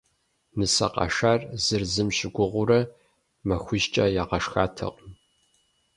Нысэ къашар зыр зым щыгугъыурэ махуищкӏэ ягъэшхатэкъым.